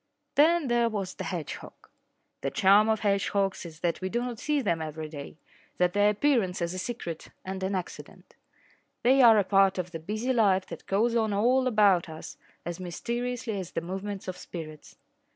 Then there was the hedgehog. The charm of hedgehogs is that we do not see them every day that their appearance is a secret and an accident. They are a part of the busy life that goes on all about us as mysteriously as the movements of spirits.